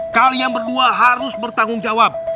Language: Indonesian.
kalian berdua harus bertanggung jawab